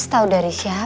mas tau dari siapa mas